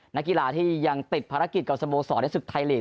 นักกีฬาที่ยังติดภารกิจกับสโมสรในศึกไทยลีก